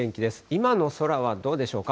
今の空はどうでしょうか。